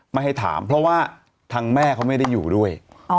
ไม่ให้ถามเพราะว่าทางแม่เขาไม่ได้อยู่ด้วย